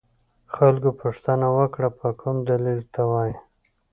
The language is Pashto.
خلکو پوښتنه وکړه په کوم دلیل ته وایې.